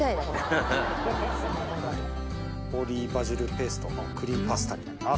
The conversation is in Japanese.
ホーリーバジルペーストのクリームパスタになります。